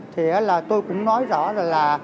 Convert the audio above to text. thế là tôi cũng nói rõ là